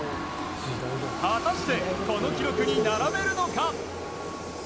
果たして、この記録に並べるのか。